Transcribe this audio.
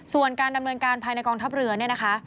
ส่วนการดำเนินการภายในกองทัพเรือเนี่ยนะคะ